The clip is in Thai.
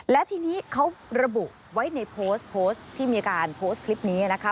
และทีนี้เขาระบุไว้ในโพสต์โพสต์ที่มีการโพสต์คลิปนี้นะคะ